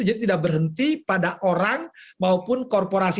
jadi tidak berhenti pada orang maupun korporasi